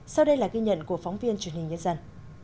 sau đây là ghi nhận của phóng viên truyền hình nhất dân